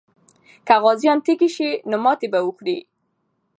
که غازیان تږي سي، نو ماتې به وخوري.